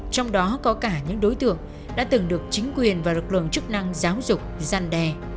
trong đó có cả những đối tượng đã từng được chính quyền và lực lượng chức năng giáo dục gian đe